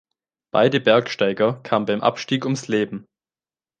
Beide Bergsteiger kamen beim Abstieg ums Leben.